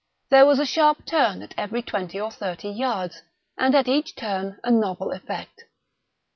There was a sharp turn at every twenty or thirty yards, and at each turn a novel effect.